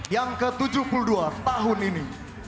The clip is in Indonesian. yang ke tujuh puluh dua tahun ini